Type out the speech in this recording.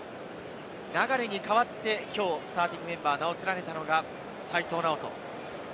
流に変わって、きょうスターティングメンバー名を連ねたのが齋藤直人。